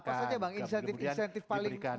apa saja bang insentif insentif paling